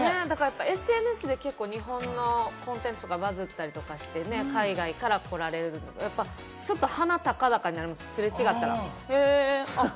ＳＮＳで日本のコンテンツとか、バズったりとかして、海外から来られる、ちょっと鼻高々になります。